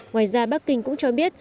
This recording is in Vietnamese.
ngoài ra bắc kinh cũng cho biết